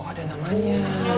oh ada namanya